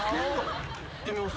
いってみます？